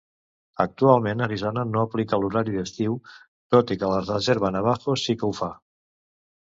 Actualment Arizona no aplica l'horari d'estiu, tot i que la reserva Navajo sí que ho fa.